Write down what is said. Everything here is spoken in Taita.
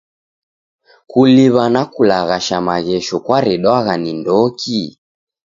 Kuliw'a na kulaghasha maghesho kwaredwagha ni ndoki?